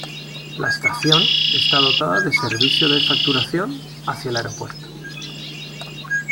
La estación está dotada de servicio de facturación hacia el aeropuerto.